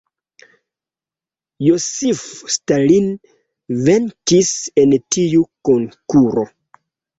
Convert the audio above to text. Josif Stalin venkis en tiu konkuro.